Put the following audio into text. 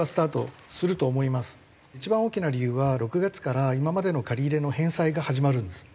一番大きな理由は６月から今までの借り入れの返済が始まるんです。